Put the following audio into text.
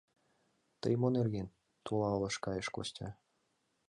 — Тый мо нерген? — тулла ылыж кайыш Костя.